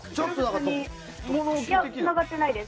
つながってないです。